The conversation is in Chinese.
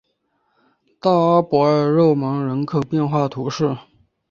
大阿伯尔热芒人口变化图示